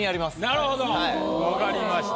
なるほど分かりました。